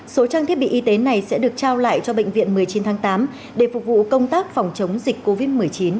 số trang thiết bị y tế này sẽ được trao lại cho bệnh viện một mươi chín tháng tám để phục vụ công tác phòng chống dịch covid một mươi chín